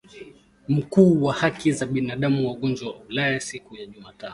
Mkuu wa haki za binadamu wa Umoja wa Ulaya siku ya Jumatano